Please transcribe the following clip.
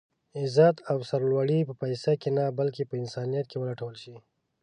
عزت او سر لوړي په پيسه کې نه بلکې په انسانيت کې ولټول شي.